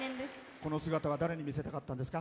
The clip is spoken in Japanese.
この姿は誰に見せたかったんですか？